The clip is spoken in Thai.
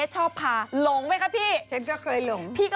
ฉันก็เคยหลง